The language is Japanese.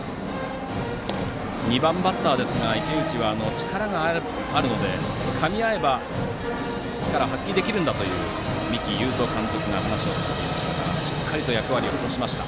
２番バッターですが池内は力があるのでかみ合えば力を発揮できるんだと三木有造監督が話をされていましたがしっかりと役割を果たしました。